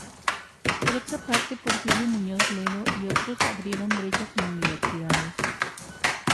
Por otra parte Porfirio Muñoz Ledo y otros abrieron brechas en universidades.